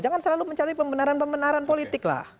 jangan selalu mencari pembenaran pembenaran politik lah